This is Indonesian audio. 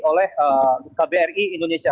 oleh kbri indonesia